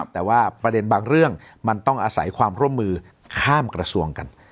แต่ว่าประเด็นบางเรื่องมันต้องอาศัยความร่วมมือข้ามกระทรวงกัน